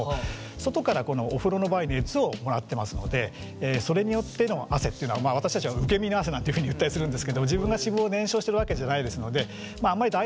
外からこのお風呂の場合熱をもらってますのでそれによっての汗っていうのはまあ私たちは受け身の汗なんていうふうに言ったりするんですけども自分が脂肪を燃焼してるわけじゃないですのでその分しっかりですね